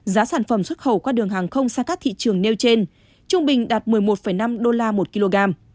giá sản phẩm xuất khẩu qua đường hàng không sang các thị trường nêu trên trung bình đạt một mươi một năm đô la một kg